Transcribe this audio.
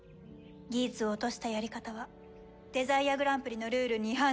ギーツを落としたやり方はデザイアグランプリのルールに違反しています。